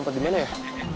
lompat dimana ya